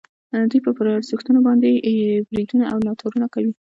دوی پر ارزښتونو باندې بریدونه او ناتارونه کوي.